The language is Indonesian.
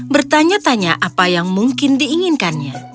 bertanya tanya apa yang mungkin diinginkannya